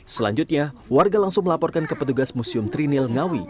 selanjutnya warga langsung melaporkan ke petugas museum trinil ngawi